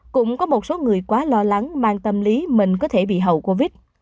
cũng có một số người quá lo lắng mang tâm lý mình có thể bị hậu covid